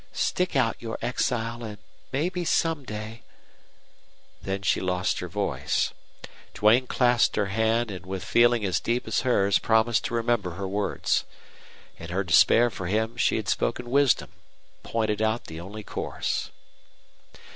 Stick out your exile and maybe some day " Then she lost her voice. Duane clasped her hand and with feeling as deep as hers promised to remember her words. In her despair for him she had spoken wisdom pointed out the only course.